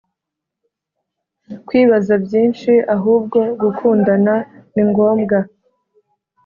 kwibaza byinshi ahubwo gukundana ningombwa